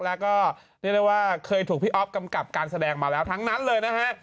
แล้วก็เคยถูกพี่ออฟกำกับการแสดงมาแล้วทั้งนั้นเลยนะฮะ